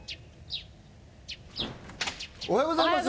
おはようございます